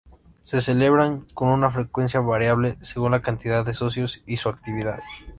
Se celebran con una frecuencia variable según la cantidad de socios y su actividad.